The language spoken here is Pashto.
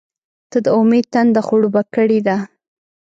• ته د امید تنده خړوبه کړې ده.